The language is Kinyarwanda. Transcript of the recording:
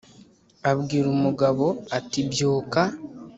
Abwira umugabo ati "Byuka,